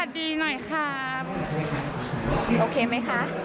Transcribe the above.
อันนี้ชอบมั้ย